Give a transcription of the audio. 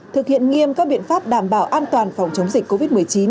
thực hiện nghiêm các biện pháp đảm bảo an toàn phòng chống dịch covid một mươi chín